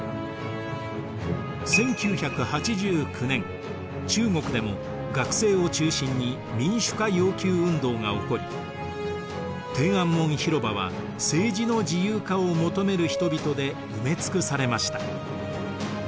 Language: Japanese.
１９８９年中国でも学生を中心に民主化要求運動が起こり天安門広場は政治の自由化を求める人々で埋め尽くされました。